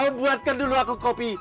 oh buatkan dulu aku kopi